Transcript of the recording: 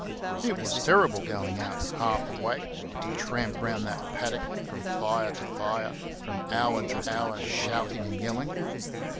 It was terrible going out, half awake, to tramp round that paddock from fire to fire, from hour to hour, shouting and yelling.